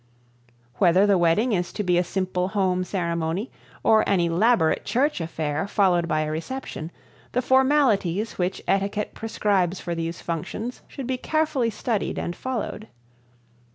Whether the wedding is to be a simple home ceremony or an elaborate church affair followed by a reception, the formalities which etiquette prescribes for these functions should be carefully studied and followed.